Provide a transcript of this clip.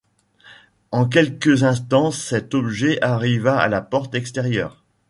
En quelques instants, cet objet arriva à la porte extérieure...